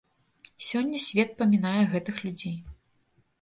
Сёння свет памінае гэтых людзей.